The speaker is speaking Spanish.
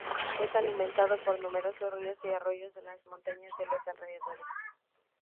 Es alimentado por numerosos ríos y arroyos de las montañas de los alrededores.